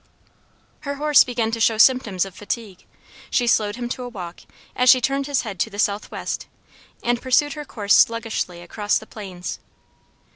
Her horse began to show symptoms of fatigue. She slowed him to a walk as she turned his head to the southwest, and pursued her course sluggishly across the plains.